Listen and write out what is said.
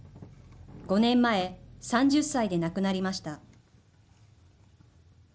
５年前、３０歳で亡くなりました。